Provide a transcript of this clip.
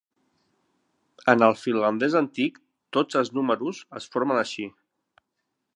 En el finlandès antic, tots els números es formaven així.